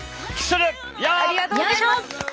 ありがとうございます。